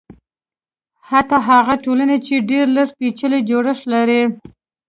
حتی هغه ټولنې چې ډېر لږ پېچلی جوړښت لري.